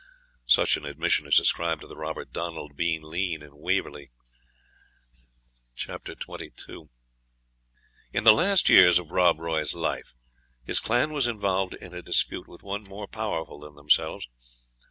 Such an admission is ascribed to the robber Donald Bean Lean in Waverley, chap. lxii, In the last years of Rob Roy's life, his clan was involved in a dispute with one more powerful than themselves.